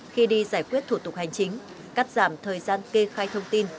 khi đi giải quyết thủ tục hành chính cắt giảm thời gian kê khai thông tin